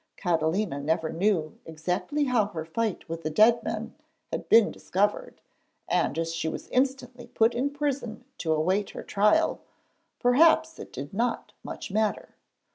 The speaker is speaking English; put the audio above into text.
Catalina never knew exactly how her fight with the dead man had been discovered, and as she was instantly put in prison to await her trial, perhaps it did not much matter.